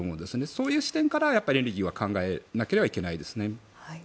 そういう視点からエネルギーは考えなければいけないですね。